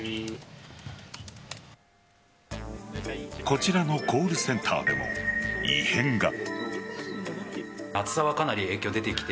こちらのコールセンターも異変が。